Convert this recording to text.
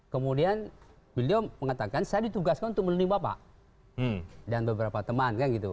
kemudian beliau mengatakan saya ditugaskan untuk meneliti bapak dan beberapa teman kan gitu